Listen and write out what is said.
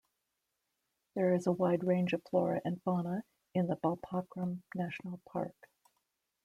There is a wide range of flora and fauna in the Balpakram National Park.